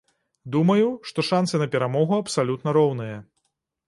Думаю, шанцы на перамогу абсалютна роўныя.